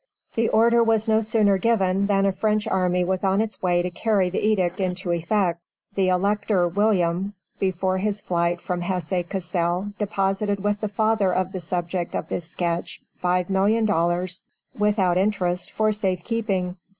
The order was no sooner given than a French army was on its way to carry the edict into effect. The Elector William, before his flight from Hesse Cassel, deposited with the father of the subject of this sketch $5,000,000, without interest, for safe keeping.